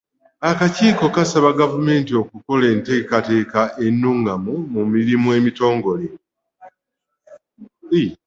Akakiiko kasaba Gavumenti okukola enteekateeka ennuŋŋamu mu mirimu emitongole.